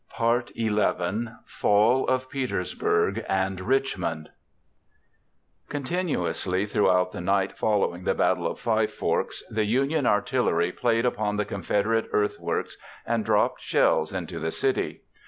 FALL OF PETERSBURG AND RICHMOND Continuously throughout the night following the Battle of Five Forks, the Union artillery played upon the Confederate earthworks and dropped shells into the city.